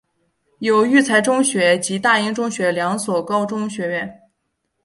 有育才中学及大英中学两所高中学院。